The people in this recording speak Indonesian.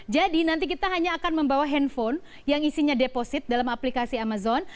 jadi nanti kita hanya akan membawa handphone yang isinya deposit dalam aplikasi amazon